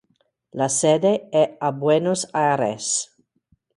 La sede è a Buenos Aires.